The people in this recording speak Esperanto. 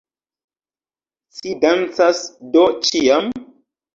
Ci dancas do ĉiam?